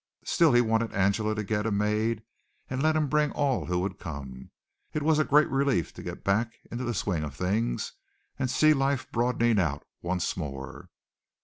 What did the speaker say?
Still he wanted Angela to get a maid and let him bring all who would come. It was a great relief to get back into the swing of things and see life broadening out once more.